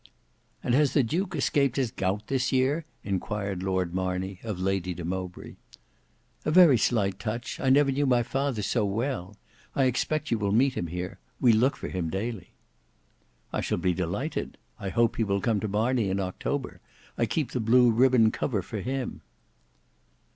"And has the duke escaped his gout this year?" enquired Lord Marney of Lady de Mowbray. "A very slight touch; I never knew my father so well. I expect you will meet him here. We look for him daily." "I shall be delighted; I hope he will come to Marney in October. I keep the blue ribbon cover for him."